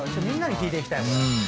みんなに聞いていきたい。